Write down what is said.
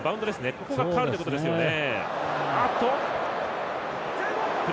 ここが変わるということですね。